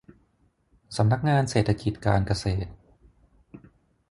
สำนักงานเศรษฐกิจการเกษตร